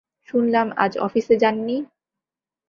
শুনলাম আজ অফিসে যান নি।